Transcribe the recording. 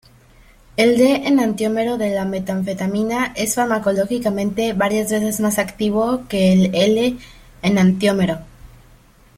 El d-enantiómero de la metanfetamina es farmacológicamente varias veces más activo que el l-enantiómero.